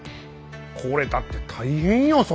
これだって大変よ